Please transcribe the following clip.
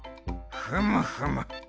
ふむふむ。